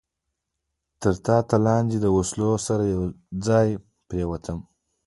تر ټاټ لاندې له وسلو سره یو ځای پرېوتم.